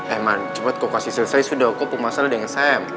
eman cepat kok kasih selesai sudah kok kok masalah dengan sam